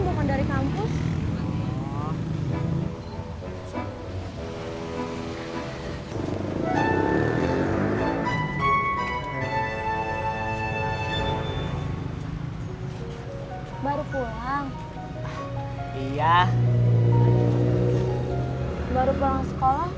bukan dari kampus